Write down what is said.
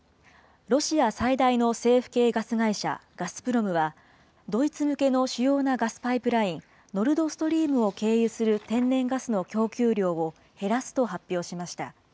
ロシア最大の政府系ガス会社、ガスプロムは、ドイツ向けの主要なガスパイプライン、ノルドストリームを経由する天然ガスの供給量を減らすと発表しました。